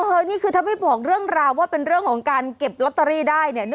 นี่คือถ้าไม่บอกเรื่องราวว่าเป็นเรื่องของการเก็บลอตเตอรี่ได้เนี่ย